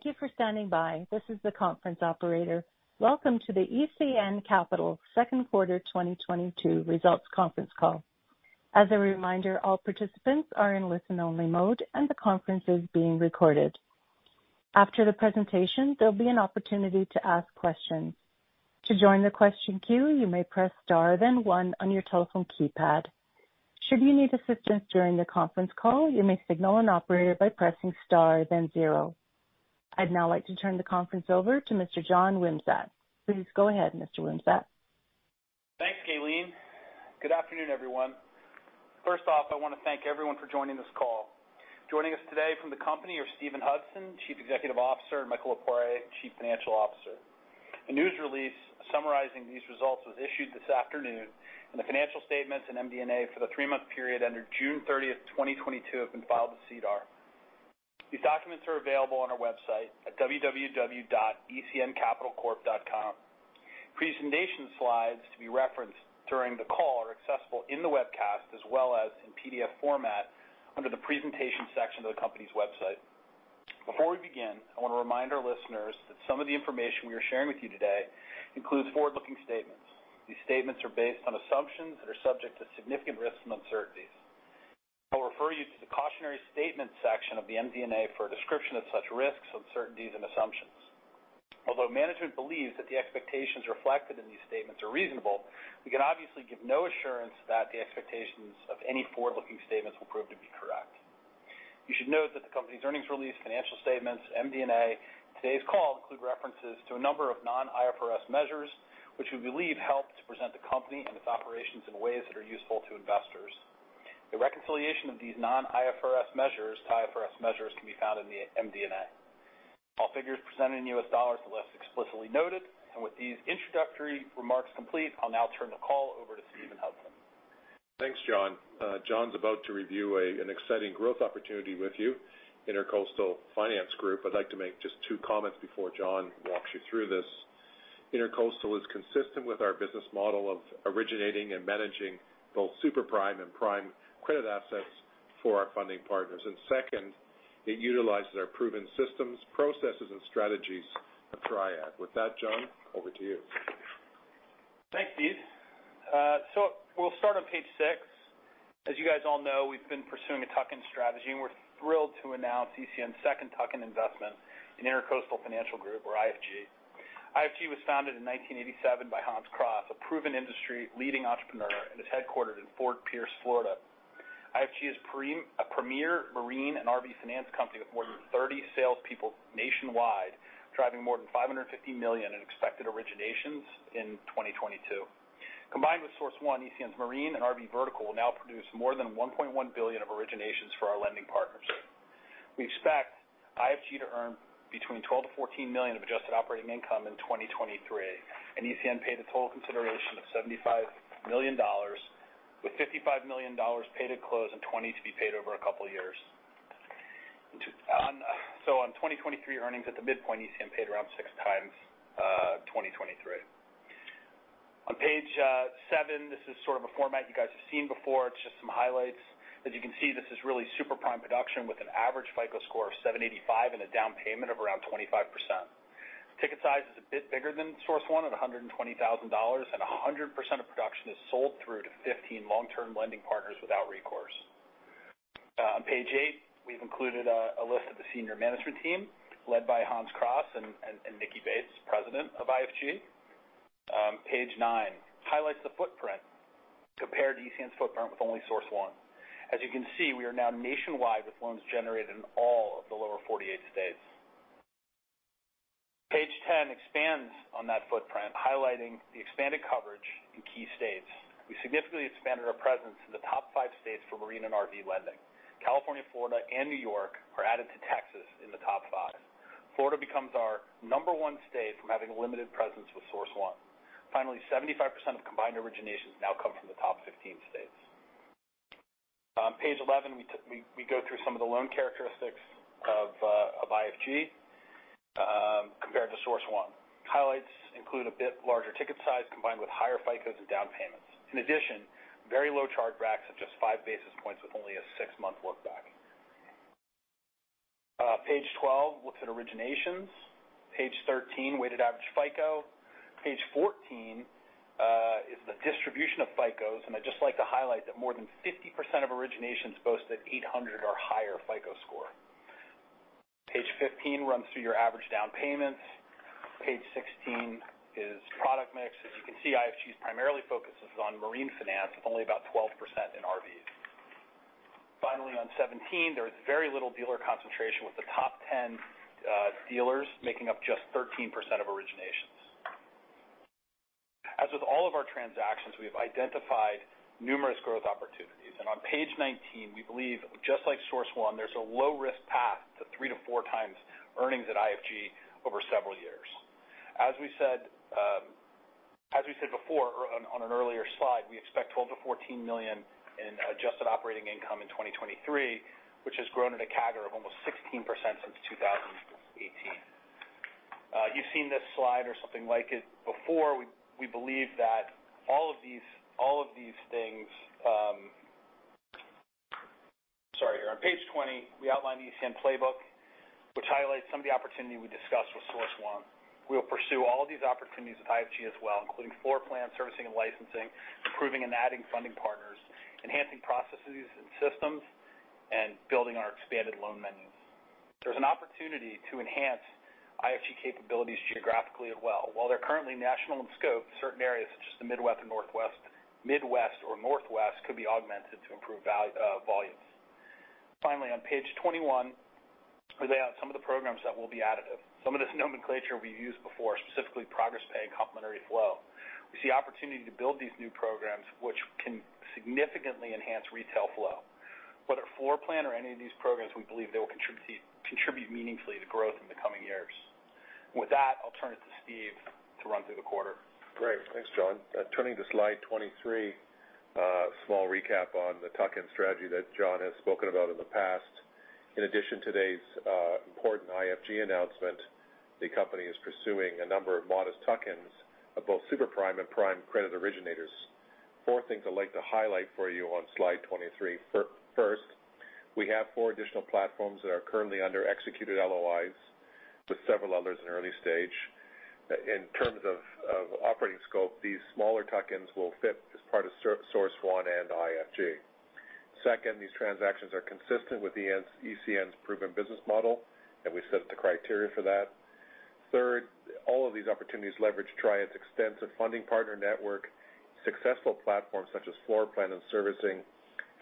Thank you for standing by. This is the conference operator. Welcome to the ECN Capital second quarter 2022 results conference call. As a reminder, all participants are in listen-only mode, and the conference is being recorded. After the presentation, there'll be an opportunity to ask questions. To join the question queue, you may press star then one on your telephone keypad. Should you need assistance during the conference call, you may signal an operator by pressing star then zero. I'd now like to turn the conference over to Mr. John Wimsatt. Please go ahead, Mr. Wimsatt. Thanks, Elaine. Good afternoon, everyone. First off, I want to thank everyone for joining this call. Joining us today from the company are Steven Hudson, Chief Executive Officer, and Michael Lepore, Chief Financial Officer. A news release summarizing these results was issued this afternoon, and the financial statements and MD&A for the three-month period ending June 30th, 2022, have been filed with SEDAR. These documents are available on our website at www.ecncapitalcorp.com. Presentation slides to be referenced during the call are accessible in the webcast as well as in PDF format under the Presentations section of the company's website. Before we begin, I want to remind our listeners that some of the information we are sharing with you today includes forward-looking statements. These statements are based on assumptions and are subject to significant risks and uncertainties. I'll refer you to the Cautionary Statement section of the MD&A for a description of such risks, uncertainties, and assumptions. Although management believes that the expectations reflected in these statements are reasonable, we can obviously give no assurance that the expectations of any forward-looking statements will prove to be correct. You should note that the company's earnings release, financial statements, MD&A, today's call include references to a number of non-IFRS measures, which we believe helps to present the company and its operations in ways that are useful to investors. The reconciliation of these non-IFRS measures to IFRS measures can be found in the MD&A. All figures presented in U.S. dollars unless explicitly noted. With these introductory remarks complete, I'll now turn the call over to Steven Hudson. Thanks, John. John's about to review an exciting growth opportunity with you, Intercoastal Financial Group. I'd like to make just two comments before John walks you through this. Intercoastal is consistent with our business model of originating and managing both super-prime and prime credit assets for our funding partners. Second, it utilizes our proven systems, processes, and strategies for Triad. With that, John, over to you. Thanks, Steve. We'll start on page 6. As you guys all know, we've been pursuing a tuck-in strategy, and we're thrilled to announce ECN's second tuck-in investment in Intercoastal Financial Group, or IFG. IFG was founded in 1987 by Hans Kraaz, a proven industry-leading entrepreneur and is headquartered in Fort Pierce, Florida. IFG is a premier marine and RV finance company with more than 30 salespeople nationwide, driving more than $550 million in expected originations in 2022. Combined with Source One, ECN's Marine and RV vertical will now produce more than $1.1 billion of originations for our lending partners. We expect IFG to earn between $12 million-$14 million of adjusted operating income in 2023. ECN paid a total consideration of $75 million, with $55 million paid at close and $20 million to be paid over a couple of years. On 2023 earnings at the midpoint, ECN paid around 6x 2023. On page 7, this is sort of a format you guys have seen before. It's just some highlights. As you can see, this is really super-prime production with an average FICO score of 785 and a down payment of around 25%. Ticket size is a bit bigger than Source One at $120,000, and 100% of production is sold through to 15 long-term lending partners without recourse. On page 8, we've included a list of the senior management team led by Hans Kraaz and Nikki Bates, President of IFG. Page 9, highlights the footprint compared to ECN's footprint with only Source One. As you can see, we are now nationwide with loans generated in all of the lower 48 states. Page 10 expands on that footprint, highlighting the expanded coverage in key states. We significantly expanded our presence in the top five states for marine and RV lending. California, Florida, and New York were added to Texas in the top five. Florida becomes our number one state from having a limited presence with Source One. Finally, 75% of combined originations now come from the top 15 states. On page 11, we go through some of the loan characteristics of IFG compared to Source One. Highlights include a bit larger ticket size, combined with higher FICOs and down payments. In addition, very low chargebacks of just 5 basis points with only a six-month look back. Page 12 looks at originations. Page 13, weighted average FICO. Page 14 is the distribution of FICOs, and I'd just like to highlight that more than 50% of originations boast an 800 or higher FICO score. Page 15 runs through your average down payments. Page 16 is product mix. As you can see, IFG primarily focuses on marine finance, only about 12% in RVs. Finally, on page 17, there's very little dealer concentration, with the top 10 dealers making up just 13% of originations. As with all of our transactions, we've identified numerous growth opportunities. On page 19, we believe just like Source One, there's a low-risk path to 3x-4x earnings at IFG over several years. As we said before on an earlier slide, we expect $12 million-$14 million in adjusted operating income in 2023, which has grown at a CAGR of almost 16% since 2018. You've seen this slide or something like it before. We believe that all of these things. On page 20, we outline the ECN playbook, which highlights some of the opportunity we discussed with Source One. We will pursue all of these opportunities with IFG as well, including floorplan servicing and licensing, improving and adding funding partners, enhancing processes and systems, and building our expanded loan menus. There's an opportunity to enhance IFG capabilities geographically as well. While they're currently national in scope, certain areas such as the Midwest or Northwest could be augmented to improve volumes. Finally, on page 21, we lay out some of the programs that will be additive. Some of this nomenclature we've used before, specifically Progress pay and Complementary Flow. We see opportunity to build these new programs, which can significantly enhance retail flow. Whether floorplan or any of these programs, we believe they will contribute meaningfully to growth in the coming years. With that, I'll turn it to Steve to run through the quarter. Great. Thanks, John. Turning to slide 23, a small recap on the tuck-in strategy that John has spoken about in the past. In addition to today's important IFG announcement, the company is pursuing a number of modest tuck-ins of both super-prime and prime credit originators. Four things I'd like to highlight for you on slide 23. First, we have four additional platforms that are currently under executed LOIs with several others in early stage. In terms of operating scope, these smaller tuck-ins will fit as part of Source One and IFG. Second, these transactions are consistent with ECN's proven business model, and we've set the criteria for that. Third, all of these opportunities leverage Triad's extensive funding partner network, successful platforms such as floorplan and servicing,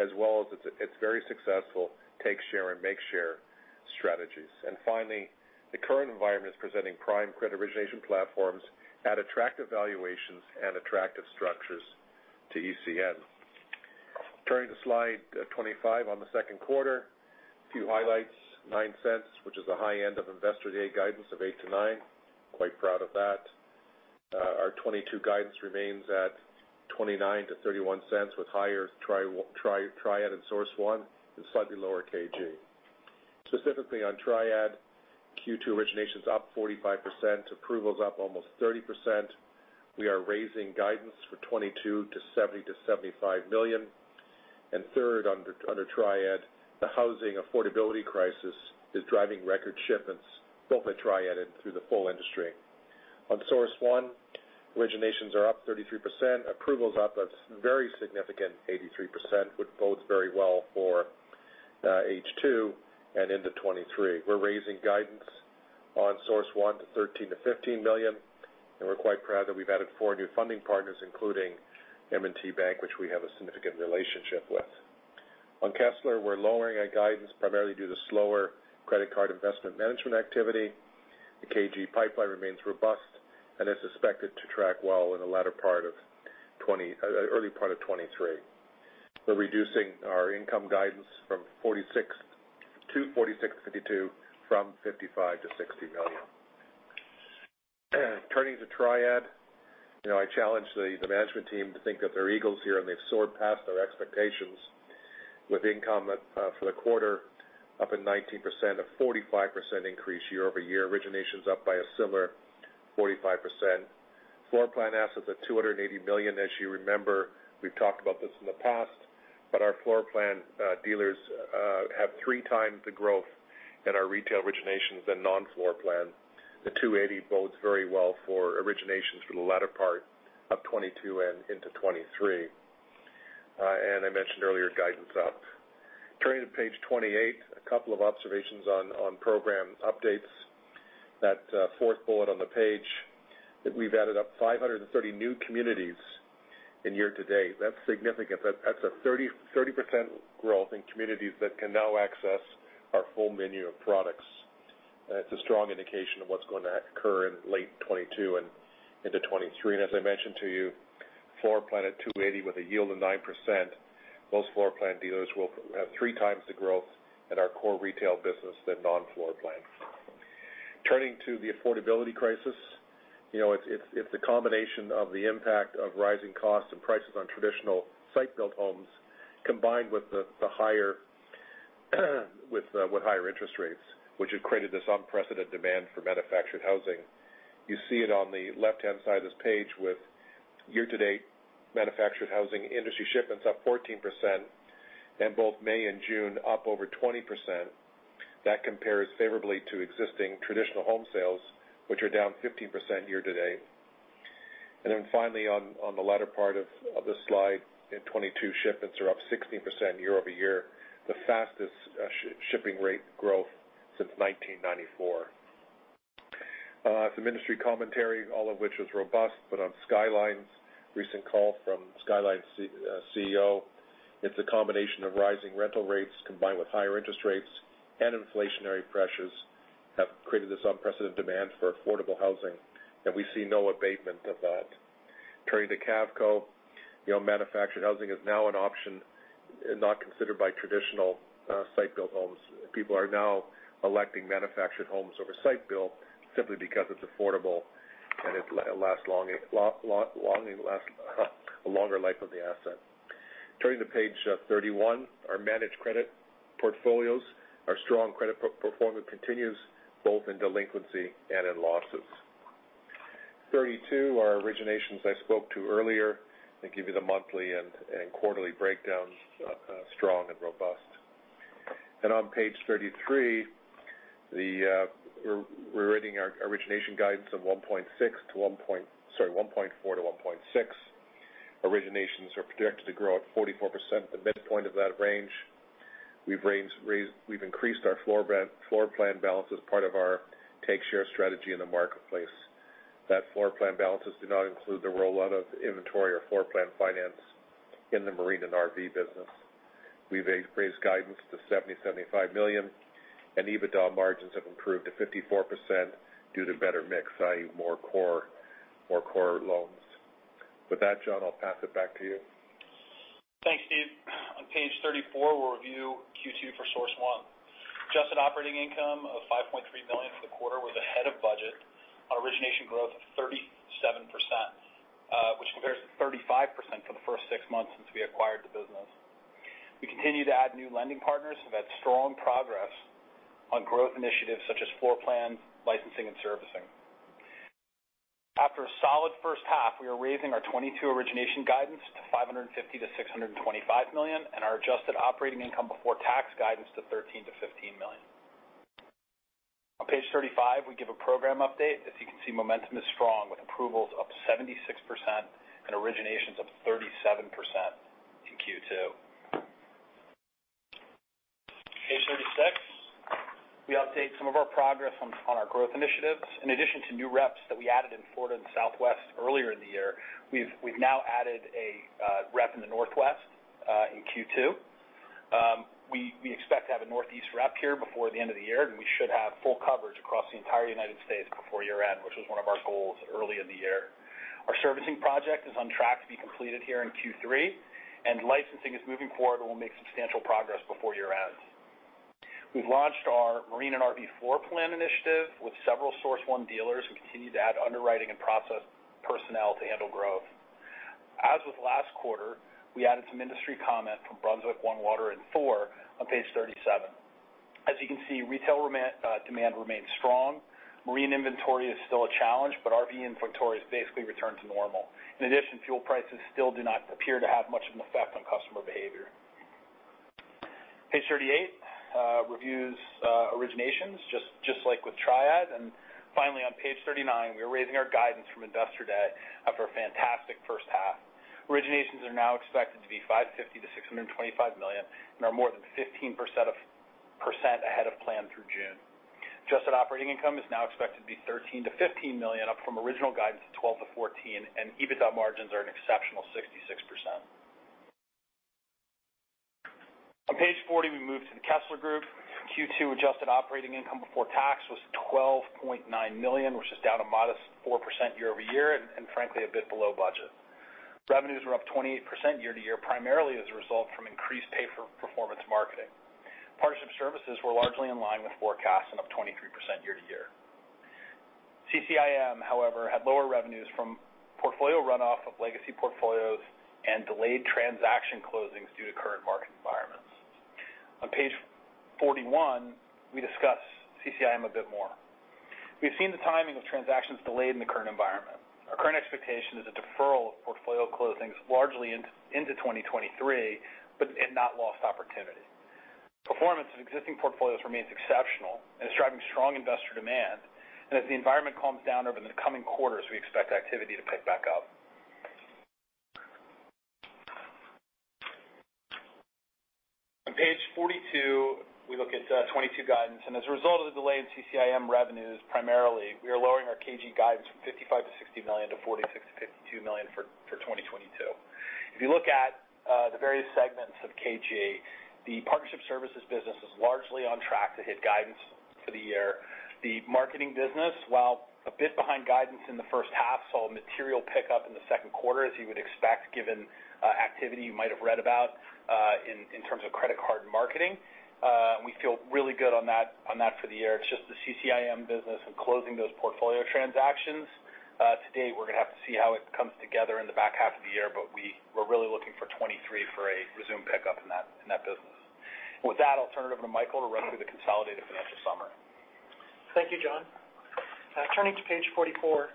as well as its very successful take share and make share strategies. Finally, the current environment is presenting prime credit origination platforms at attractive valuations and attractive structures to ECN. Turning to slide 25 on the second quarter, a few highlights. $0.09, which is the high end of Investor Day guidance of $0.08-$0.09. Quite proud of that. Our 2022 guidance remains at $0.29-$0.31 with higher Triad and Source One, and slightly lower KG. Specifically on Triad, Q2 originations up 45%, approvals up almost 30%. We are raising guidance for 2022 to $70 million-$75 million. Third under Triad, the housing affordability crisis is driving record shipments both at Triad and through the full industry. On Source One, originations are up 33%, approvals up a very significant 83%, which bodes very well for H2 and into 2023. We're raising guidance on Source One to $13 million-$15 million. We're quite proud that we've added four new funding partners, including M&T Bank, which we have a significant relationship with. On Kessler, we're lowering our guidance primarily due to slower credit card investment management activity. The KG pipeline remains robust and is expected to track well in the early part of 2023. We're reducing our income guidance to $46 million-$52 million from $55 million-$60 million. Turning to Triad. I challenged the management team to think that they're eagles here, and they've soared past their expectations with income for the quarter up at 19%, a 45% increase year-over-year. Origination's up by a similar 45%. Floorplan assets at $280 million. As you remember, we've talked about this in the past, but our floorplan dealers have 3x the growth in our retail originations than non-floorplan. The $280 million bodes very well for originations for the latter part of 2022 and into 2023. I mentioned earlier, guidance up. Turning to page 28. A couple of observations on program updates. That fourth bullet on the page, we've added up 530 new communities in year to date. That's significant. That's a 30% growth in communities that can now access our full menu of products. It's a strong indication of what's going to occur in late 2022 and into 2023. As I mentioned to you, floorplan at $280 million with a yield of 9%, most floorplan dealers will have 3x the growth at our core retail business than non-floorplan. Turning to the affordability crisis. It's a combination of the impact of rising costs and prices on traditional site-built homes combined with higher interest rates, which have created this unprecedented demand for manufactured housing. You see it on the left-hand side of this page with year-to-date manufactured housing industry shipments up 14%, and both May and June up over 20%. That compares favorably to existing traditional home sales, which are down 15% year to date. Finally, on the latter part of this slide, in 2022, shipments are up 16% year-over-year, the fastest shipping rate growth since 1994. Some industry commentary, all of which is robust, but on Skyline's recent call from Skyline's CEO. It's a combination of rising rental rates combined with higher interest rates and inflationary pressures have created this unprecedented demand for affordable housing, and we see no abatement of that. Turning to Cavco. Manufactured housing is now an option not considered by traditional site-built homes. People are now electing manufactured homes over site-built simply because it's affordable and it lasts a longer life of the asset. Turning to page 31, our managed credit portfolios. Our strong credit performance continues both in delinquency and in losses. Page 32, our originations I spoke to earlier. I give you the monthly and quarterly breakdowns, strong and robust. On page 33, we're raising our origination guidance from $1.4 billion-$1.6 billion. Originations are projected to grow 44% at the midpoint of that range. We've increased our floorplan balance as part of our take share strategy in the marketplace. That floorplan balance does not include the rollout of inventory or floorplan finance in the Marine and RV business. We've raised guidance to $70 million-$75 million. EBITDA margins have improved to 54% due to better mix, i.e., more core loans. With that, John, I'll pass it back to you. Thanks, Steve. On page 34, we'll review Q2 for Source One. Adjusted operating income of $5.3 million for the quarter was ahead of budget. Origination growth of 37%, which compares to 35% for the first six months since we acquired the business. We continue to add new lending partners who have had strong progress on growth initiatives such as floorplan licensing and servicing. After a solid first half, we are raising our 2022 origination guidance to $550 million-$625 million and our adjusted operating income before tax guidance to $13 million-$15 million. On page 35, we give a program update. As you can see, momentum is strong with approvals up 76% and originations up 37% in Q2. Page 36, we update some of our progress on our growth initiatives. In addition to new reps that we added in Florida and Southwest earlier in the year, we've now added a rep in the Northwest in Q2. We expect to have a Northeast rep here before the end of the year, and we should have full coverage across the entire United States before year-end, which was one of our goals early in the year. Our servicing project is on track to be completed here in Q3, and licensing is moving forward and will make substantial progress before year-end. We've launched our Marine and RV floorplan initiative with several Source One dealers who continue to add underwriting and process personnel to handle growth. As of last quarter, we added some industry comment from Brunswick, OneWater, and Thor on page 37. As you can see, retail demand remains strong. Marine inventory is still a challenge, but RV inventory has basically returned to normal. In addition, fuel prices still do not appear to have much of an effect on customer behavior. Page 38 reviews originations, just like with Triad. Finally, on page 39, we are raising our guidance from Investor Day after a fantastic first half. Originations are now expected to be $550 million-$625 million and are more than 15% ahead of plan through June. Adjusted operating income is now expected to be $13 million-$15 million, up from original guidance of $12 million-$14 million, and EBITDA margins are an exceptional 66%. On page 40, we move to The Kessler Group. Q2 adjusted operating income before tax was $12.9 million, which is down a modest 4% year-over-year and frankly a bit below budget. Revenues were up 28% year-to-year, primarily as a result from increased pay-for-performance marketing. Partnership services were largely in line with forecasts and up 23% year-to-year. CCIM, however, had lower revenues from portfolio runoff of legacy portfolios and delayed transaction closings due to current market environments. On page 41, we discuss CCIM a bit more. We've seen the timing of transactions delayed in the current environment. Our current expectation is a deferral of portfolio closings largely into 2023, not lost opportunity. Performance of existing portfolios remains exceptional and is driving strong investor demand. As the environment calms down over the coming quarters, we expect activity to pick back up. On page 42, we look at 2022 guidance, as a result of the delay in CCIM revenues primarily, we are lowering our KG guidance from $55 million-$60 million to $40 million-$52 million for 2022. If you look at the various segments of KG, the partnership services business is largely on track to hit guidance for the year. The marketing business, while a bit behind guidance in the first half, saw material pickup in the second quarter, as you would expect given activity you might have read about in terms of credit card marketing. We feel really good on that for the year. It's just the CCIM business and closing those portfolio transactions. To date, we're going to have to see how it comes together in the back half of the year, but we're really looking for 2023 for a resume pickup in that business. With that, I'll turn it over to Michael to run through the consolidated financial summary. Thank you, John. Turning to page 44.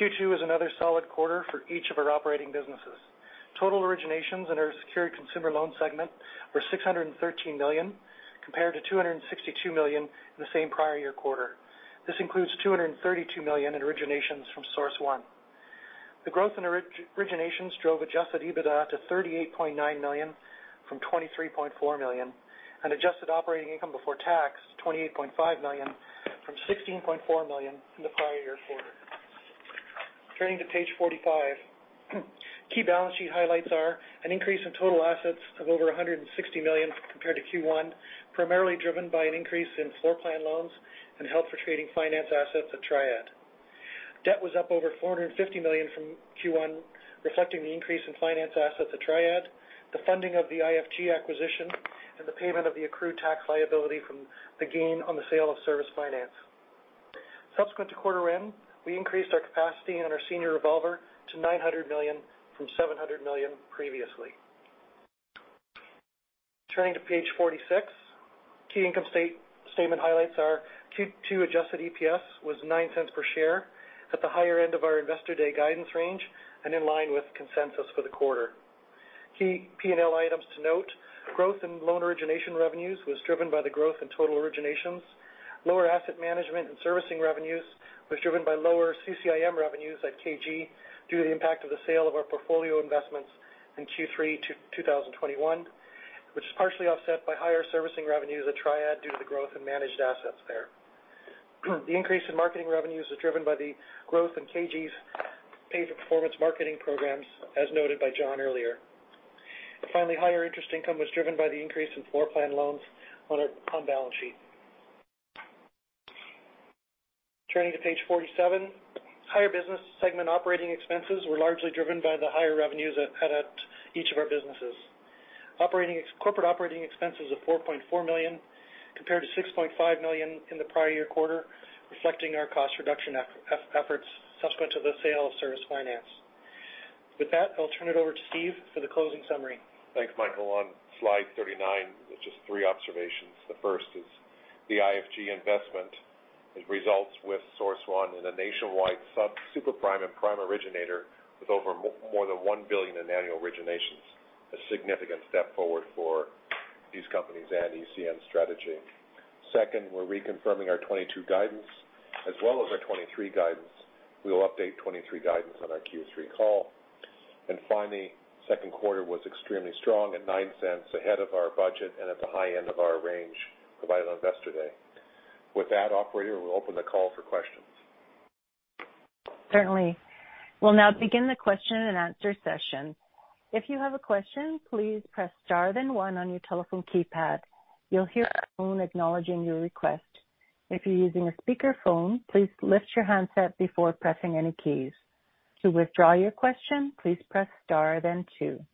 Q2 was another solid quarter for each of our operating businesses. Total originations in our secured consumer loan segment were $613 million compared to $262 million in the same prior year quarter. This includes $232 million in originations from Source One. The growth in originations drove adjusted EBITDA to $38.9 million from $23.4 million and adjusted operating income before tax $28.5 million from $16.4 million in the prior year quarter. Turning to page 45. Key balance sheet highlights are an increase in total assets of over $160 million compared to Q1, primarily driven by an increase in floorplan loans and held-for-trading finance assets at Triad. Debt was up over $450 million from Q1, reflecting the increase in finance assets at Triad, the funding of the IFG acquisition, and the payment of the accrued tax liability from the gain on the sale of Service Finance. Subsequent to quarter-end, we increased our capacity on our senior revolver to $900 million from $700 million previously. Turning to page 46. Key income statement highlights are Q2 adjusted EPS was $0.09 per share at the higher end of our Investor Day guidance range and in line with consensus for the quarter. Key P&L items to note. Growth in loan origination revenues was driven by the growth in total originations. Lower asset management and servicing revenues was driven by lower CCIM revenues at KG due to the impact of the sale of our portfolio investments in Q3 2021, which is partially offset by higher servicing revenues at Triad due to growth in managed assets there. The increase in marketing revenues was driven by the growth in KG's pay-for-performance marketing programs, as noted by John earlier. Higher interest income was driven by the increase in floorplan loans on our balance sheet. Turning to page 47. Higher business segment operating expenses were largely driven by the higher revenues at each of our businesses. Corporate operating expenses of $4.4 million compared to $6.5 million in the prior year quarter, reflecting our cost reduction efforts subsequent to the sale of Service Finance. With that, I'll turn it over to Steve for the closing summary. Thanks, Michael. On slide 39, just three observations. The first is the IFG investment, as results with Source One as a nationwide sub-super-prime and prime originator with over more than $1 billion in annual originations, a significant step forward for these companies and ECN's strategy. We're reconfirming our 2022 guidance as well as our 2023 guidance. We will update 2023 guidance on our Q3 call. Finally, second quarter was extremely strong at $0.09 ahead of our budget and at the high end of our range provided on Investor Day. With that, operator, we'll open the call for questions. Certainly. We'll now begin the question and answer session. If you have a question, please press star then one on your telephone keypad. You'll hear a tone acknowledging your request. If you're using a speakerphone, please lift your handset before pressing any keys. To withdraw your question, please press star then two.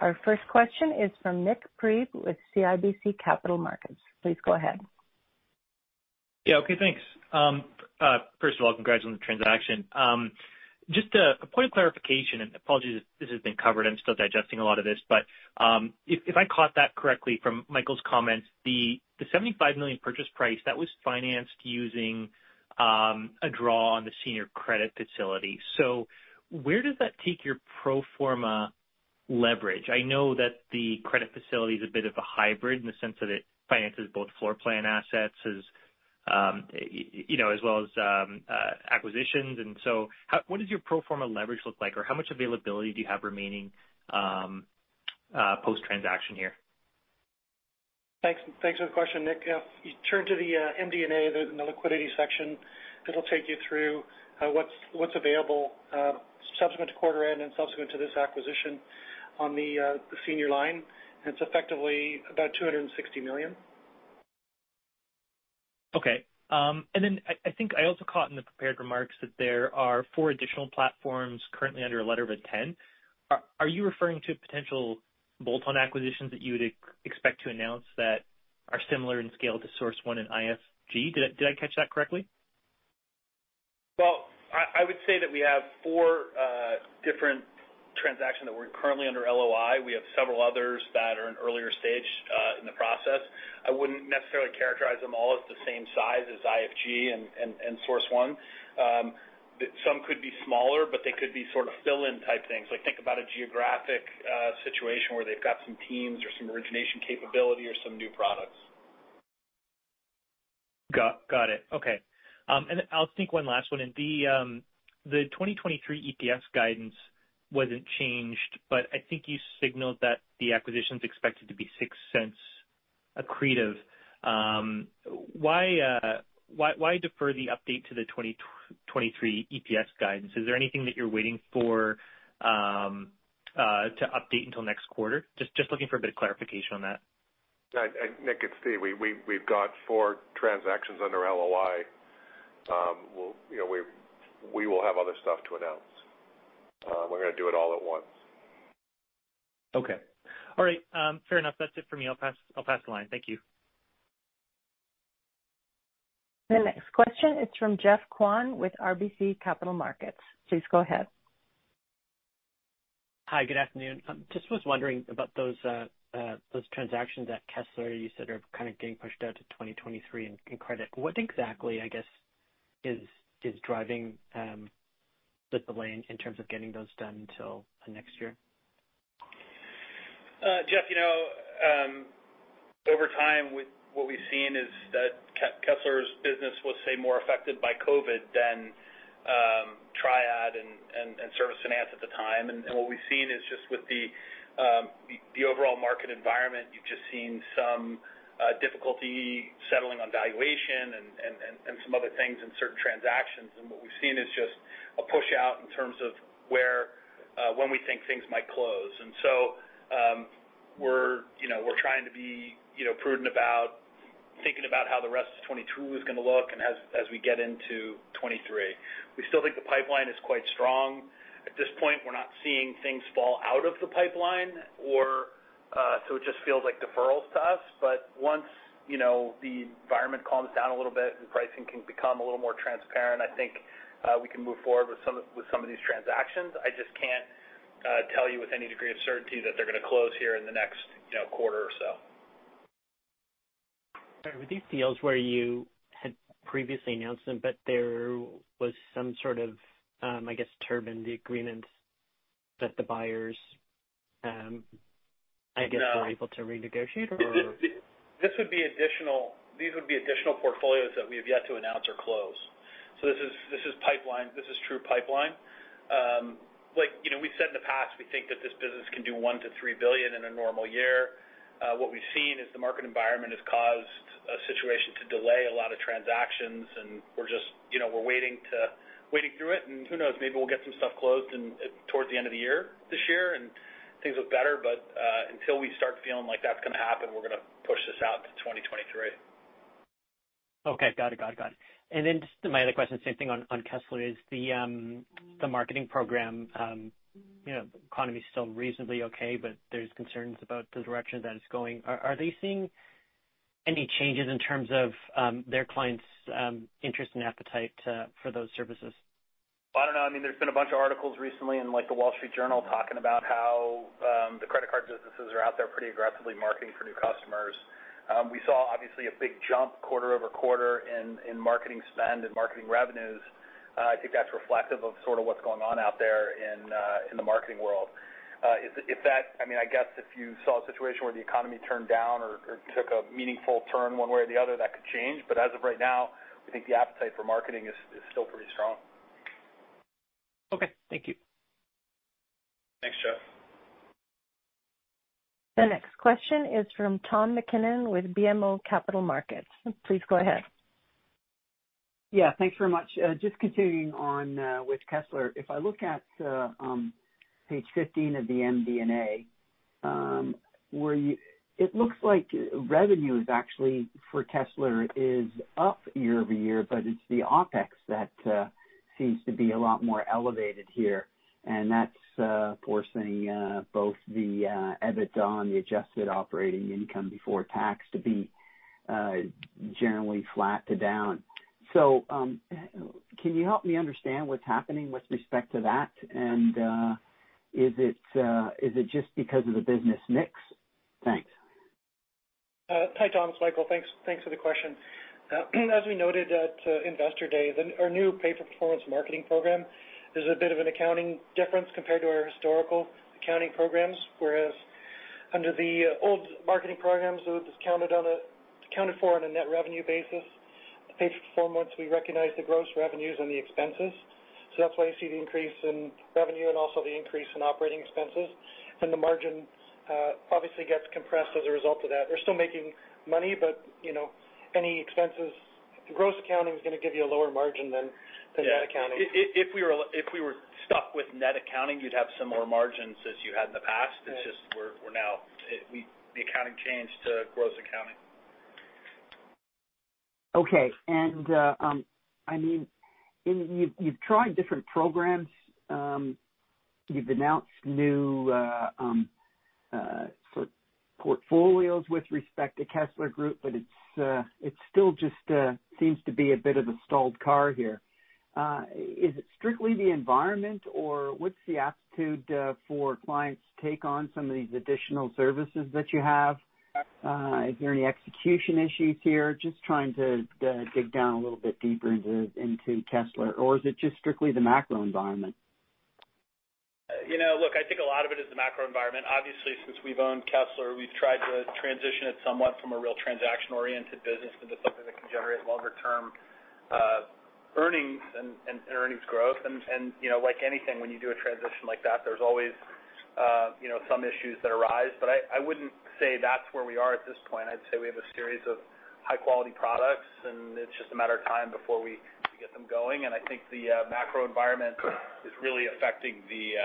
Our first question is from Nik Priebe with CIBC Capital Markets. Please go ahead. Yeah. Okay. Thanks. First of all, congrats on the transaction. Just a point of clarification, and apologies if this has been covered. I'm still digesting a lot of this. If I caught that correctly from Michael's comments, the $75 million purchase price, that was financed using a draw on the senior credit facility. Where does that take your pro forma leverage? I know that the credit facility is a bit of a hybrid in the sense that it finances both floorplan assets as well as acquisitions. What does your pro forma leverage look like? How much availability do you have remaining post-transaction here? Thanks for the question, Nik. If you turn to the MD&A, the liquidity section, it'll take you through what's available subsequent to quarter end and subsequent to this acquisition on the senior line. It's effectively about $260 million. Okay. I think I also caught in the prepared remarks that there are four additional platforms currently under letter of intent. Are you referring to potential bolt-on acquisitions that you would expect to announce that are similar in scale to Source One and IFG? Did I catch that correctly? Well, I would say that we have four different transactions that we're currently under LOI. We have several others that are in earlier stage in the process. I wouldn't necessarily characterize them all as the same size as IFG and Source One. Some could be smaller, but they could be sort of fill-in type things, like think about a geographic situation where they've got some teams or some origination capability or some new products. Got it. Okay. I'll sneak one last one in. The 2023 EPS guidance wasn't changed, but I think you signaled that the acquisition is expected to be $0.06 accretive. Why defer the update to the 2023 EPS guidance? Is there anything that you're waiting for to update until next quarter? Just looking for a bit of clarification on that. Nik, it's Steve. We've got four transactions under LOI. We will have other stuff to announce. We're going to do it all at once. Okay. All right. Fair enough. That's it for me. I'll pass the line. Thank you. The next question is from Geoff Kwan with RBC Capital Markets. Please go ahead. Hi, good afternoon. Just was wondering about those transactions at Kessler you said are kind of getting pushed out to 2023 in credit. What exactly, I guess, is driving the delay in terms of getting those done until next year? Geoff, over time, what we've seen is that Kessler's business was, say, more affected by COVID than Triad and Service Finance at the time. What we've seen is just with the overall market environment, you've just seen some difficulty settling on valuation and some other things in certain transactions. What we've seen is just a push out in terms of when we think things might close. We're trying to be prudent about thinking about how the rest of 2022 is going to look and as we get into 2023. We still think the pipeline is quite strong. At this point, we're not seeing things fall out of the pipeline, so it just feels like deferral to us. Once the environment calms down a little bit and pricing can become a little more transparent, I think we can move forward with some of these transactions. I just can't tell you with any degree of certainty that they're going to close here in the next quarter or so. Sorry, were these deals where you had previously announced them, but there was some sort of, I guess, term in the agreements that the buyers. No. I guess, were able to renegotiate? These would be additional portfolios that we have yet to announce or close. This is true pipeline. We said in the past, we think that this business can do $1 billion-$3 billion in a normal year. What we've seen is the market environment has caused a situation to delay a lot of transactions, and we're waiting through it, and who knows, maybe we'll get some stuff closed towards the end of the year this year, and things look better. Until we start feeling like that's going to happen, we're going to push this out to 2023. Okay. Got it. Just my other question, same thing on Kessler, is the marketing program. Economy's still reasonably okay, but there's concerns about the direction that it's going. Are they seeing any changes in terms of their clients' interest and appetite for those services? I don't know. There's been a bunch of articles recently in "The Wall Street Journal" talking about how the credit card businesses are out there pretty aggressively marketing for new customers. We saw, obviously, a big jump quarter-over-quarter in marketing spend and marketing revenues. I think that's reflective of sort of what's going on out there in the marketing world. I guess if you saw a situation where the economy turned down or took a meaningful turn one way or the other, that could change. As of right now, we think the appetite for marketing is still pretty strong. Okay. Thank you. Thanks, Geoff. The next question is from Tom MacKinnon with BMO Capital Markets. Please go ahead. Yeah. Thanks very much. Just continuing on with Kessler. If I look at page 15 of the MD&A, it looks like revenue is actually, for Kessler, is up year-over-year, but it's the OpEx that seems to be a lot more elevated here, and that's forcing both the EBITDA and the adjusted operating income before tax to be generally flat to down. Can you help me understand what's happening with respect to that? Is it just because of the business mix? Thanks. Hi, Tom. It is Michael. Thanks for the question. As we noted at Investor Day, our new pay-for-performance marketing program is a bit of an accounting difference compared to our historical accounting programs. Whereas under the old marketing programs, it was accounted for on a net revenue basis. Pay-for-performance, we recognize the gross revenues and the expenses. That is why you see the increase in revenue and also the increase in operating expenses. The margin obviously gets compressed as a result of that. We are still making money, but any expenses, gross accounting is going to give you a lower margin than net accounting. If we were stuck with net accounting, you'd have similar margins as you had in the past. It's just the accounting changed to gross accounting. Okay. You've tried different programs. You've announced new portfolios with respect to Kessler Group, but it still just seems to be a bit of a stalled car here. Is it strictly the environment, or what's the aptitude for clients to take on some of these additional services that you have? Is there any execution issues here? Just trying to dig down a little bit deeper into Kessler. Is it just strictly the macro environment? Look, I think a lot of it is the macro environment. Obviously, since we've owned Kessler, we've tried to transition it somewhat from a real transaction-oriented business into something that can generate longer-term earnings and earnings growth. Like anything, when you do a transition like that, there's always some issues that arise. I wouldn't say that's where we are at this point. I'd say we have a series of high-quality products, and it's just a matter of time before we get them going. I think the macro environment is really affecting the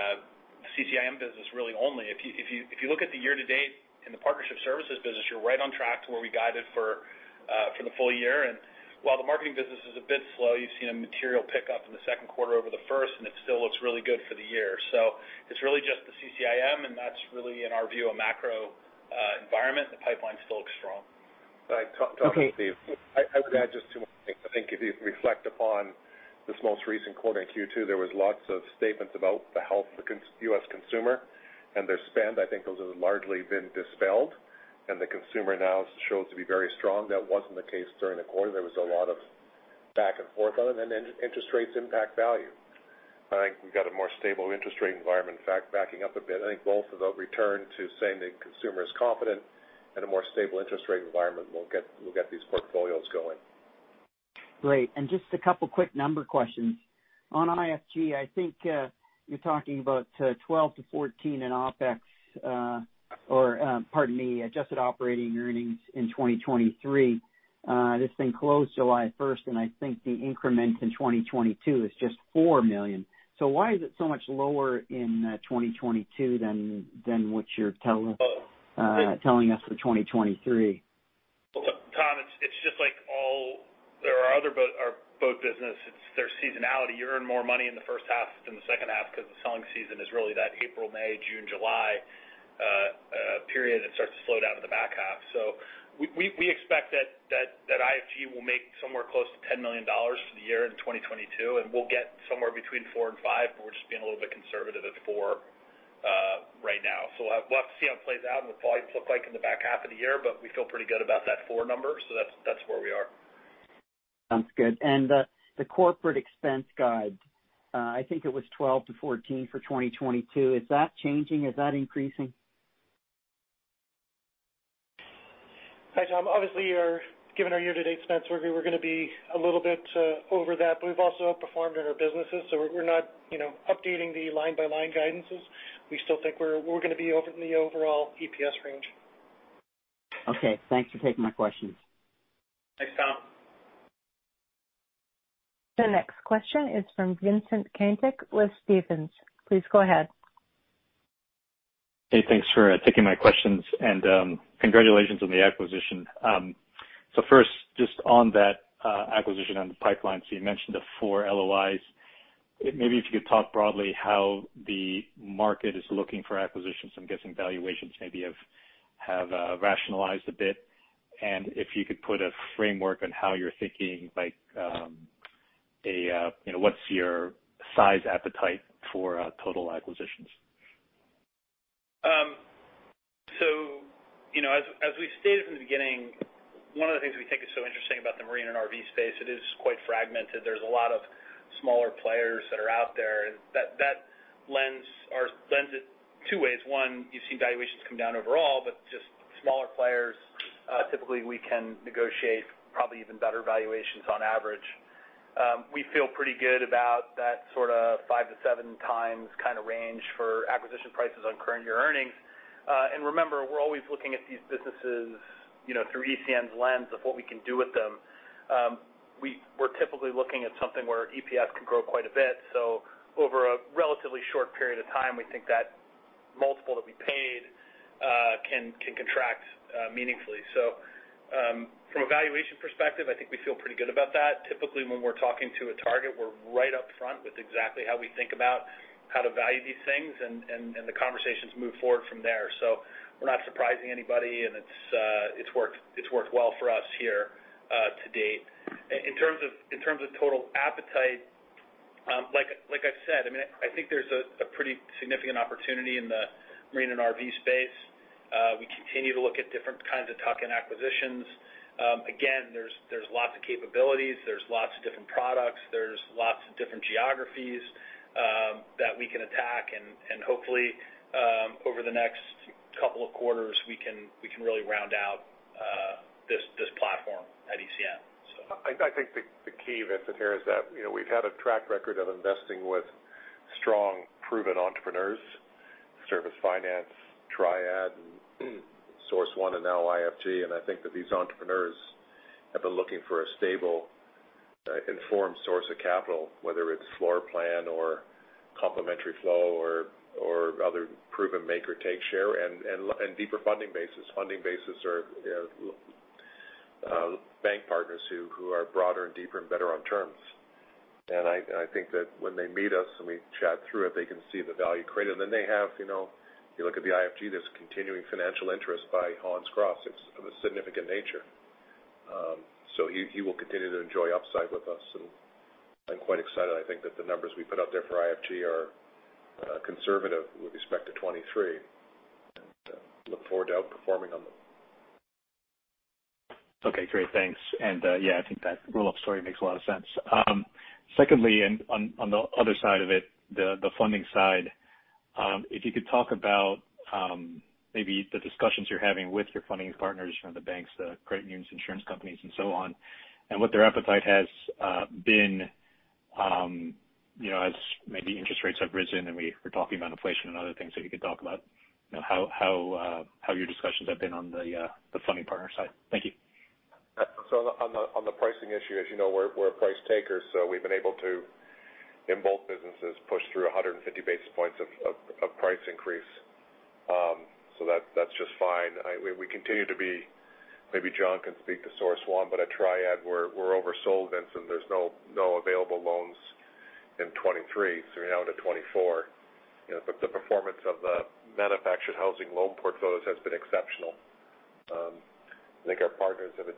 CCIM business really only. If you look at the year to date in the partnership services business, you're right on track to where we guided for the full year. While the marketing business is a bit slow, you've seen a material pickup in the second quarter over the first, and it still looks really good for the year. It's really just the CCIM, and that's really, in our view, a macro environment. The pipeline still looks strong. Right. Tom, it's Steve. I would add just two more things. I think if you reflect upon this most recent quarter in Q2, there was lots of statements about the health of the U.S. consumer and their spend. I think those have largely been dispelled. The consumer now shows to be very strong. That wasn't the case during the quarter. There was a lot of back and forth on it. Interest rates impact value. I think we've got a more stable interest rate environment. In fact, backing up a bit, I think both of the return to saying the consumer is confident and a more stable interest rate environment will get these portfolios going. Great. Just a couple of quick number questions. On IFG, I think you're talking about $12 million-$14 million in OpEx or, pardon me, adjusted operating earnings in 2023. This thing closed July 1st, and I think the increment in 2022 is just $4 million. Why is it so much lower in 2022 than what you're telling us for 2023? Tom, it's just like all our boat business. There's seasonality. You earn more money in the first half than the second half because the selling season is really that April, May, June, July period. It starts to slow down in the back half. We expect that IFG will make somewhere close to $10 million for the year in 2022, and we'll get somewhere between $4 million and $5 million, and we're just being a little bit conservative at $4 million, right now. We'll have to see how it plays out and what the volumes look like in the back half of the year, but we feel pretty good about that $4 million number. That's where we are. Sounds good. The corporate expense guide, I think it was $12 million-$14 million for 2022. Is that changing? Is that increasing? Hi, Tom. Obviously, given our year-to-date expense, we're going to be a little bit over that, but we've also outperformed in our businesses, so we're not updating the line-by-line guidances. We still think we're going to be over in the overall EPS range. Okay. Thanks for taking my questions. Thanks, Tom. The next question is from Vincent Caintic with Stephens. Please go ahead. Hey, thanks for taking my questions. Congratulations on the acquisition. First, just on that acquisition on the pipeline, you mentioned the four LOIs. Maybe if you could talk broadly how the market is looking for acquisitions. I'm guessing valuations maybe have rationalized a bit. If you could put a framework on how you're thinking, like, what's your size appetite for total acquisitions? As we stated from the beginning, one of the things we think is so interesting about the marine and RV space, it is quite fragmented. There's a lot of smaller players that are out there. That lends it two ways. One, you've seen valuations come down overall, but just smaller players, typically we can negotiate probably even better valuations on average. We feel pretty good about that sort of 5x-7x kind of range for acquisition prices on current year earnings. Remember, we're always looking at these businesses through ECN's lens of what we can do with them. We're typically looking at something where EPS can grow quite a bit. Over a relatively short period of time, we think that multiple that we paid can contract meaningfully. From a valuation perspective, I think we feel pretty good about that. Typically, when we're talking to a target, we're right up front with exactly how we think about how to value these things, and the conversations move forward from there. We're not surprising anybody, and it's worked well for us here to date. In terms of total appetite, like I've said, I think there's a pretty significant opportunity in the marine and RV space. We continue to look at different kinds of tuck-in acquisitions. Again, there's lots of capabilities. There's lots of different products. There's lots of different geographies that we can attack. Hopefully, over the next couple of quarters, we can really round out this platform at ECN. I think the key, Vincent, here is that we've had a track record of investing with strong, proven entrepreneurs, Service Finance, Triad, and Source One, and now IFG. I think that these entrepreneurs have been looking for a stable, informed source of capital, whether it's floorplan, or Complementary Flow, or other proven make or take share and deeper funding bases. Funding bases are bank partners who are broader and deeper and better on terms. I think that when they meet us and we chat through it, they can see the value created. If you look at the IFG, there's continuing financial interest by Hans Kraaz. It's of a significant nature. He will continue to enjoy upside with us, and I'm quite excited. I think that the numbers we put out there for IFG are conservative with respect to 2023, and look forward to outperforming on them. Okay, great. Thanks. Yeah, I think that roll-up story makes a lot of sense. Secondly, on the other side of it, the funding side, if you could talk about maybe the discussions you're having with your funding partners from the banks, the credit unions, insurance companies, and so on, and what their appetite has been as maybe interest rates have risen and we were talking about inflation and other things that you could talk about. How your discussions have been on the funding partner side. Thank you. On the pricing issue, as you know, we're a price taker, so we've been able to, in both businesses, push through 150 basis points of price increase. That's just fine. Maybe John can speak to Source One, but at Triad, we're oversold, Vincent. There's no available loans in 2023, so you're now into 2024. The performance of the manufactured housing loan portfolios has been exceptional. I think our partners at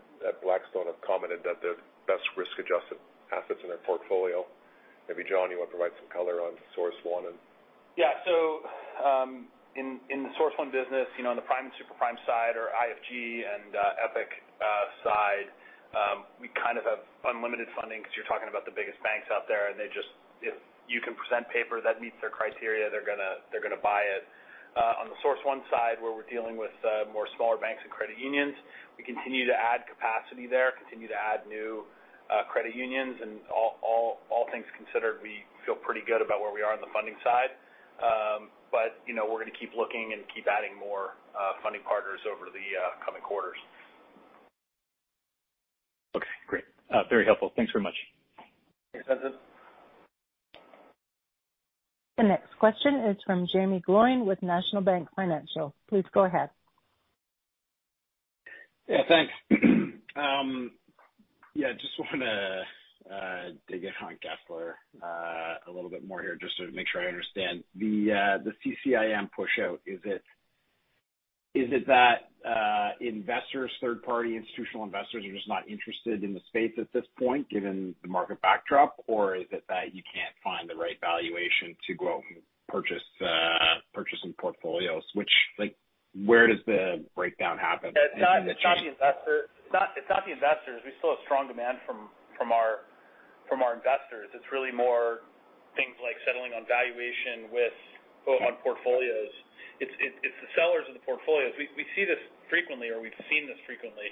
Blackstone have commented that they're the best risk-adjusted assets in their portfolio. Maybe John, you want to provide some color on Source One. Yeah. In the Source One business, on the prime and super-prime side or IFG and Epic Finance side, we kind of have unlimited funding because you're talking about the biggest banks out there, and if you can present paper that meets their criteria, they're going to buy it. On the Source One side, where we're dealing with more smaller banks and credit unions, we continue to add capacity there, continue to add new credit unions. All things considered, we feel pretty good about where we are on the funding side. We're going to keep looking and keep adding more funding partners over the coming quarters. Okay, great. Very helpful. Thanks very much. Thanks, Vincent. The next question is from Jaeme Gloyn with National Bank Financial. Please go ahead. Yeah, thanks. Yeah, just want to dig in on Kessler a little bit more here, just to make sure I understand. The CCIM pushout, is it? Is it that investors, third-party institutional investors, are just not interested in the space at this point, given the market backdrop? Is it that you can't find the right valuation to go out and purchase some portfolios? Where does the breakdown happen? It's not the investors. We still have strong demand from our investors. It's really more things like settling on valuation on portfolios. It's the sellers of the portfolios. We see this frequently, or we've seen this frequently.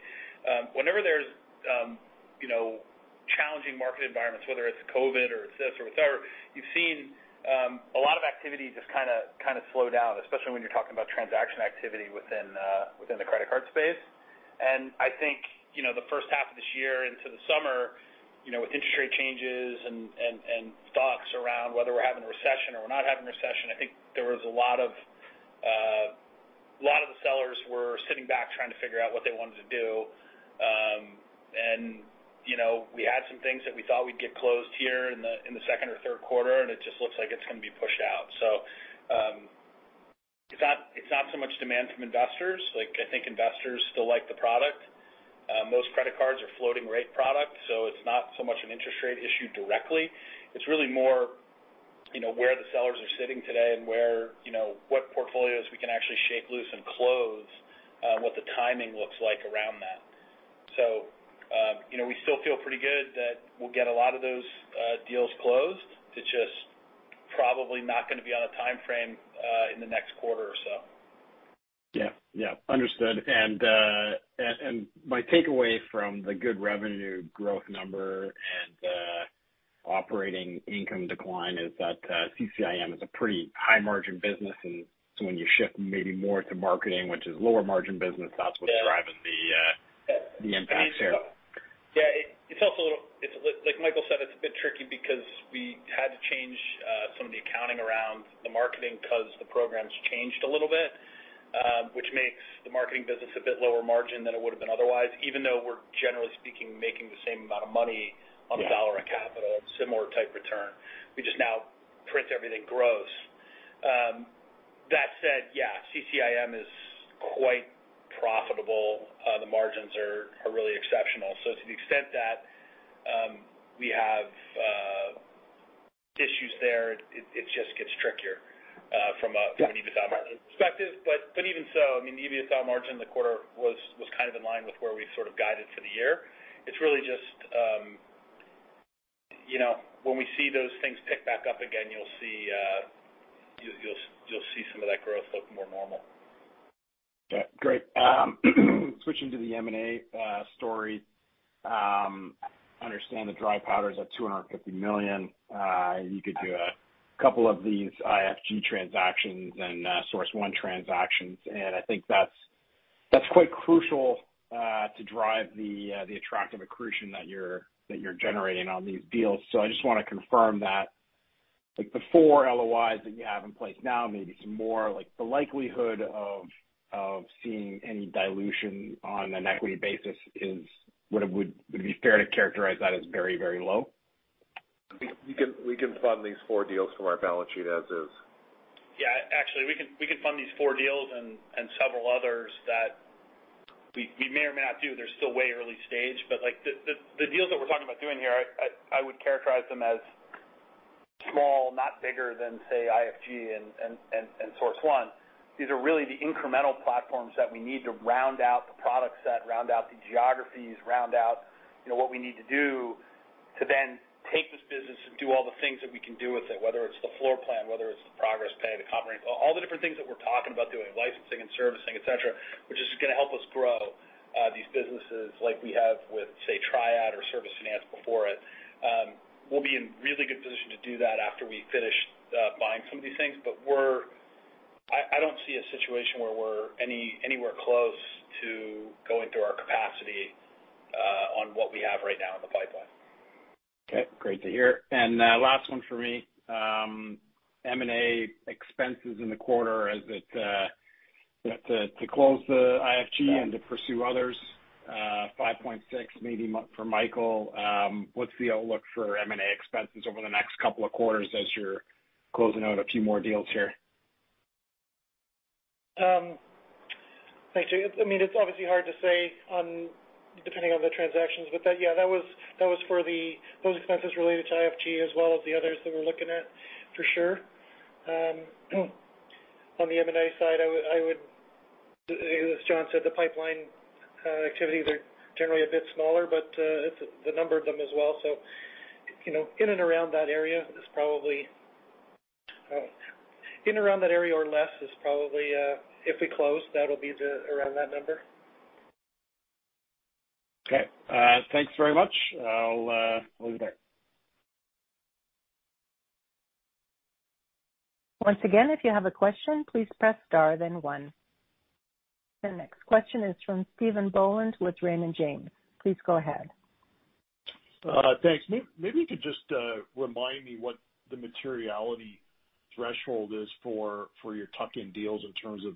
Whenever there's challenging market environments, whether it's COVID or this, that, or the third, you've seen a lot of activity just slow down, especially when you're talking about transaction activity within the credit card space. I think the first half of this year, into the summer, with interest rate changes and thoughts around whether we're having a recession or we're not having a recession, I think there was a lot of the sellers were sitting back trying to figure out what they wanted to do. We had some things that we thought would get closed here in the second or third quarter, and it just looks like it is going to be pushed out. It is not so much demand from investors. I think investors still like the product. Most credit cards are floating-rate products, so it is not so much an interest rate issue directly. It is really more where the sellers are sitting today and what portfolios we can actually shake loose and close and what the timing looks like around that. We still feel pretty good that we will get a lot of those deals closed. It is just probably not going to be on a timeframe in the next quarter or so. Yeah. Understood. My takeaway from the good revenue growth number and the operating income decline is that CCIM is a pretty high-margin business. When you shift maybe more to marketing, which is a lower-margin business, that's what's driving the impact here. Yeah. Like Michael said, it's a bit tricky because we had to change some of the accounting around the marketing because the programs changed a little bit, which makes the marketing business a bit lower margin than it would've been otherwise. Even though we're generally speaking, making the same amount of money on dollar of capital, similar type return. We just now print everything gross. That said, yeah, CCIM is quite profitable. The margins are really exceptional. To the extent that we have issues there, it just gets trickier from an EBITDA margin perspective. Even so, I mean the EBITDA margin in the quarter was in line with where we sort of guided for the year. It's really just when we see those things tick back up again, you'll see some of that growth look more normal. Yeah. Great. Switching to the M&A story. I understand the dry powder is at $250 million. You could do a couple of these IFG transactions and Source One transactions, and I think that's quite crucial to drive the attractive accretion that you're generating on these deals. I just wanna confirm that the four LOIs that you have in place now, maybe some more, the likelihood of seeing any dilution on an equity basis, would it be fair to characterize that as very low? We can fund these four deals from our balance sheet as is. Actually, we can fund these four deals and several others that we may or may not do that are still way early stage. The deals that we're talking about doing here, I would characterize them as small, not bigger than, say, IFG and Source One. These are really the incremental platforms that we need to round out the product set, round out the geographies, round out what we need to do to then take this business and do all the things that we can do with it, whether it's the floorplan, whether it's the Progress pay, the covering, all the different things that we're talking about doing, licensing and servicing, et cetera, which is gonna help us grow these businesses like we have with, say, Triad or Service Finance before it. We'll be in a really good position to do that after we finish buying some of these things. I don't see a situation where we're anywhere close to going to our capacity on what we have right now in the pipeline. Okay, great to hear. Last one from me, M&A expenses in the quarter to close the IFG and to pursue others, $5.6 million, maybe for Michael. What's the outlook for M&A expenses over the next couple of quarters as you're closing out a few more deals here? Actually, it's obviously hard to say depending on the transactions, but that was for those expenses related to IFG, as well as the others that we're looking at for sure. On the M&A side, as John said, the pipeline activities are generally a bit smaller, but it's the number of them as well. In and around that area, or less, is probably if we close, that'll be around that number. Okay. Thanks very much. I'll leave it there. Once again, if you have a question, please press star then one. The next question is from Stephen Boland with Raymond James. Please go ahead. Thanks. Maybe you could just remind me what the materiality threshold is for your tuck-in deals in terms of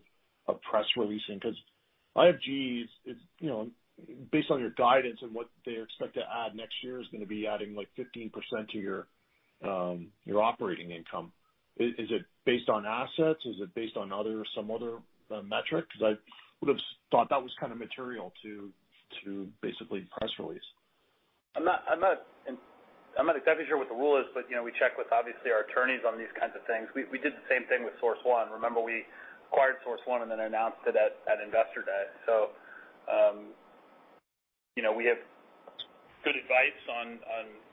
a press release. IFG, based on your guidance and what they expect to add next year, is going to be adding 15% to your operating income. Is it based on assets? Is it based on some other metric? Because I would've thought that was kind of material to basically the press release. I'm not exactly sure what the rule is. We check with, obviously, our attorneys on these kinds of things. We did the same thing with Source One. Remember, we acquired Source One then announced it at Investor Day. We have good advice on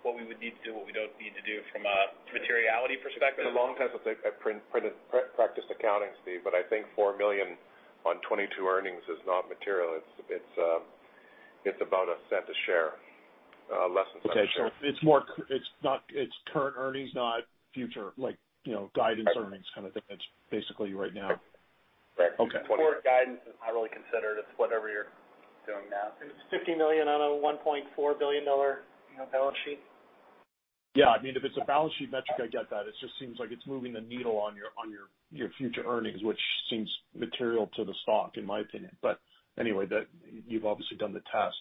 what we would need to do, what we don't need to do, from a materiality perspective. This is a long time since I've practiced accounting, Steve, but I think $4 million on 2022 earnings is not material. It's about $0.01 a share. Less than $0.01 a share. Okay. It's current earnings, not future, like guidance earnings kind of thing. That's basically right now. Right. Okay. Forward guidance is not really considered. It's whatever you're doing now. It's $50 million on a $1.4 billion balance sheet. Yeah. I mean, if it's a balance sheet metric, I get that. It just seems like it's moving the needle on your future earnings, which seems material to the stock, in my opinion. Anyway, you've obviously done the test.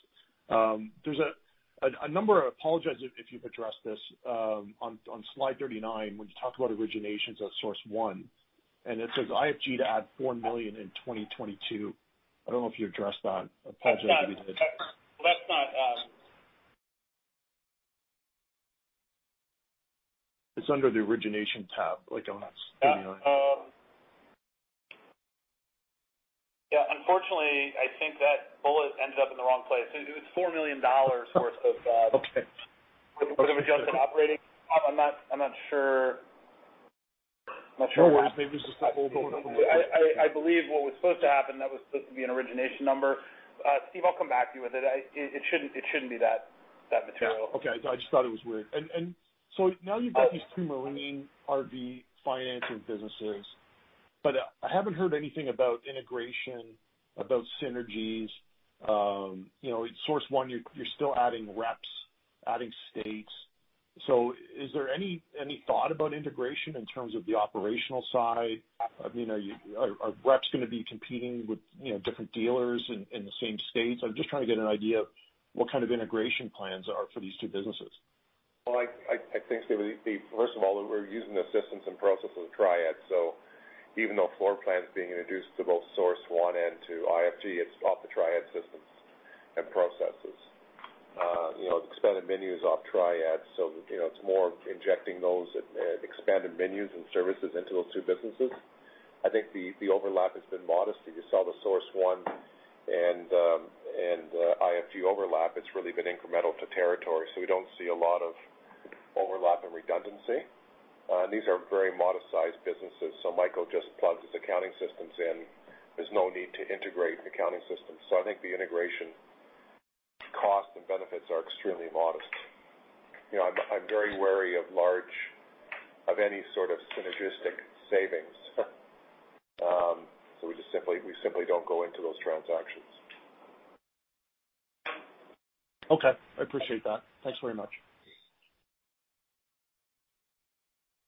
I apologize if you've addressed this. On slide 39, when you talk about originations at Source One, and it says IFG to add $4 million in 2022. I don't know if you addressed that. I apologize if you did. That's not it. It's under the Origination tab on slide 39. Yeah. Unfortunately, I think that bullet ends up in the wrong place. It was $4 million. Okay. It was just operating. I'm not sure. No worries. Maybe just hold the whole thing. I believe what was supposed to happen, that was supposed to be an origination number. Steve, I'll come back to you with it. It shouldn't be that material. Okay. No, I just thought it was weird. Now you've got these two Marine RV financing businesses, but I haven't heard anything about integration, about synergies. Source One, you're still adding reps, adding states. Is there any thought about integration in terms of the operational side? I mean, are reps going to be competing with different dealers in the same states? I'm just trying to get an idea of what kind of integration plans are for these two businesses. Well, I think first of all, we're using the systems and processes of Triad. Even though floorplan's being introduced to both Source One and to IFG, it's off the Triad systems and processes. Expanded menus off Triad. It's more injecting those expanded menus and services into those two businesses. I think the overlap has been modest. If you saw the Source One and IFG overlap, it's really been incremental to territory. We don't see a lot of overlap and redundancy. These are very modest-sized businesses. Michael just plugs his accounting systems in. There's no need to integrate accounting systems. I think the integration cost and benefits are extremely modest. I'm very wary of any sort of synergistic savings. We simply don't go into those transactions. Okay. I appreciate that. Thanks very much.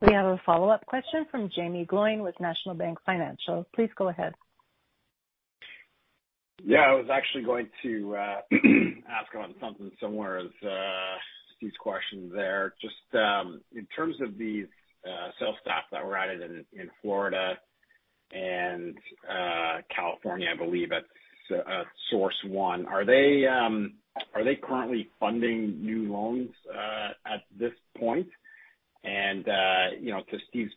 We have a follow-up question from Jaeme Gloyn with National Bank Financial. Please go ahead. Yeah, I was actually going to ask on something similar as these questions there. Just in terms of these sales staff that were added in Florida and California, I believe, at Source One. Are they currently funding new loans at this point? To Stephen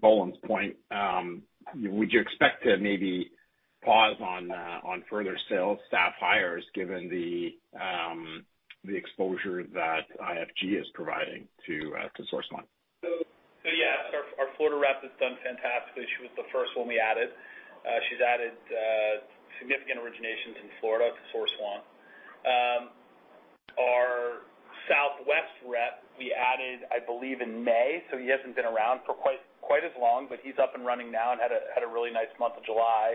Boland's point, would you expect to maybe pause on further sales staff hires given the exposure that IFG is providing to Source One? Yeah. Our Florida rep has done fantastically. She was the first one we added. She's added significant originations in Florida for Source One. Our Southwest rep we added, I believe, in May. He hasn't been around for quite as long, but he's up and running now and had a really nice month of July.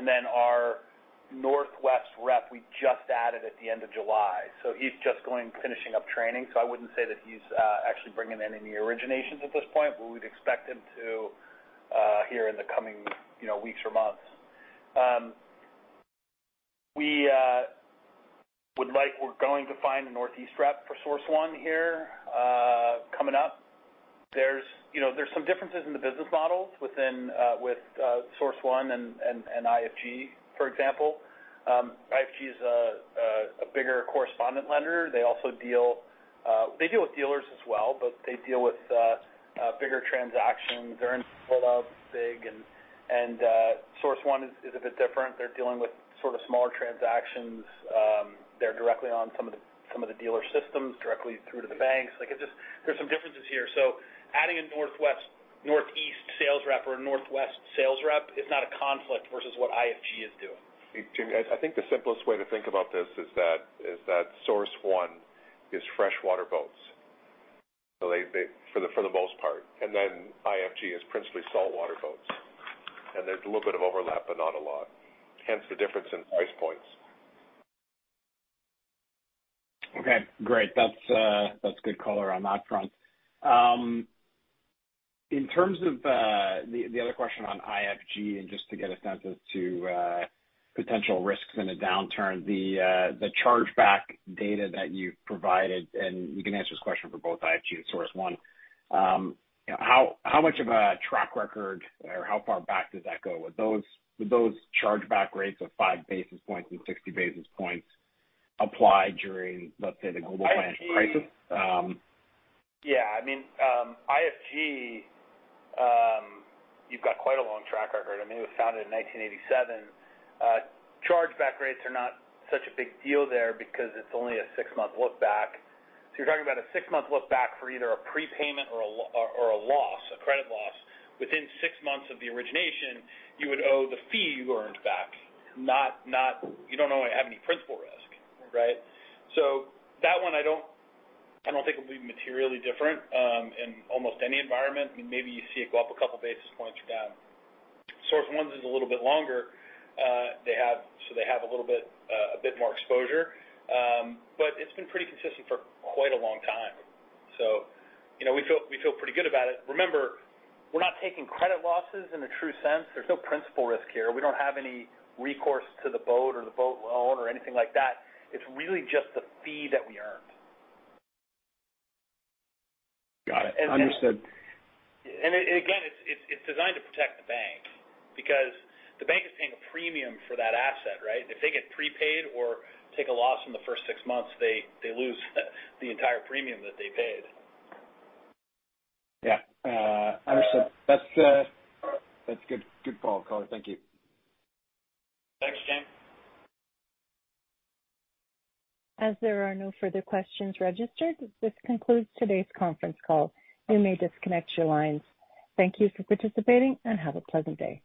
Our Northwest rep we just added at the end of July. He's just going, finishing up training. I wouldn't say that he's actually bringing in any originations at this point, but we'd expect him to here in the coming weeks or months. We're going to find a Northeast rep for Source One here coming up. There's some differences in the business models with Source One and IFG. For example, IFG is a bigger correspondent lender. They deal with dealers as well, but they deal with bigger transactions. Their inventory levels are big. Source One is a bit different. They're dealing with sort of smaller transactions. They're directly on some of the dealer systems, directly through to the banks. There's some differences here. Adding a Northwest, Northeast sales rep or a Northwest sales rep is not a conflict versus what IFG is doing. Jaeme, I think the simplest way to think about this is that Source One is freshwater boats. For the most part. Then IFG is principally saltwater boats. There's a little bit of overlap, but not a lot, hence the difference in price points. Okay, great. That's good color on that front. In terms of the other question on IFG, and just to get a sense as to potential risks in a downturn, the chargeback data that you've provided, and you can answer this question for both IFG and Source One. How much of a track record or how far back does that go? Would those chargeback rates of 5 basis points and 60 basis points apply during, let's say, the global financial crisis? Yeah. IFG, you've got quite a long track record. It was founded in 1987. Chargeback rates are not such a big deal there because it's only a six-month look back. You're talking about a six-month look back for either a prepayment or a loss, a credit loss. Within six months of the origination, you would owe the fee you earned back. You don't normally have any principal risk, right? That one, I don't think, will be materially different in almost any environment. Maybe you see it go up a couple basis points or down. Source One's is a little bit longer. They have a bit more exposure. It's been pretty consistent for quite a long time. We feel pretty good about it. Remember, we're not taking credit losses in a true sense. There's no principal risk here. We don't have any recourse to the boat, or the boat loan, or anything like that. It's really just the fee that we earned. Got it. Understood. Again, it's designed to protect the bank because the bank is paying a premium for that asset, right? If they get prepaid or take a loss in the first six months, they lose the entire premium that they paid. Yeah. Understood. That's good color. Thank you. Thanks, Jaeme. As there are no further questions registered, this concludes today's conference call. You may disconnect your lines. Thank you for participating, and have a pleasant day.